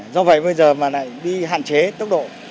do vậy bây giờ mà lại đi hạn chế tốc độ